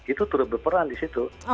itu terus berperan disitu